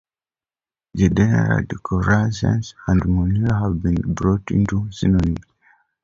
The genera Dendrocereus and Monvillea have been brought into synonymy.